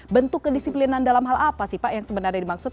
bentuk kedisiplinan dalam hal apa sih pak yang sebenarnya dimaksud